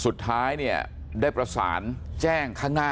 สุดท้ายเนี่ยได้ประสานแจ้งข้างหน้า